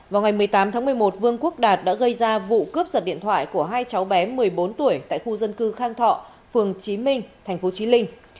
vào ngày một mươi tám tháng một mươi một vương quốc đạt đã gây ra vụ cướp giật điện thoại của hai cháu bé một mươi bốn tuổi tại khu dân cư khang thọ phường trí minh thành phố trí linh